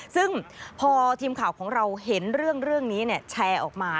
ซึ่งพอทีมข่าวของเราเห็นเรื่องนี้แชร์ออกมา